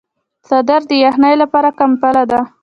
څادر د یخنۍ لپاره کمپله ده.